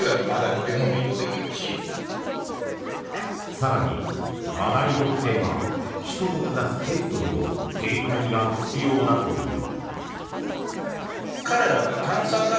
更に、マダニの危険は人と暮らすペットにも警戒が必要だという。